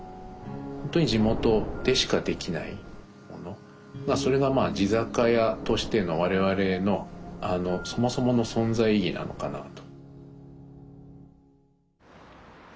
ほんとに地元でしかできないものがそれがまあ地酒屋としての我々のそもそもの存在意義なのかなあと。